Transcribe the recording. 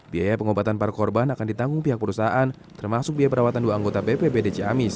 biaya pengobatan para korban akan ditanggung pihak perusahaan termasuk biaya perawatan dua anggota bpbd ciamis